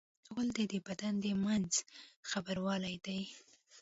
غول د بدن د منځ خبروالی دی.